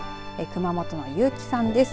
熊本の結城さんです。